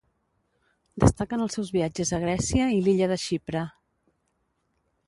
Destaquen els seus viatges a Grècia i l'illa de Xipre.